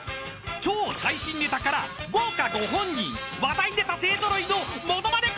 超最新ネタから豪華ご本人話題ネタ勢揃いの『ものまね紅白歌合戦』］